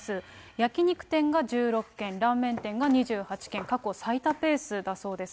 焼き肉店が１６件、ラーメン店が２８件、過去最多ペースだそうです。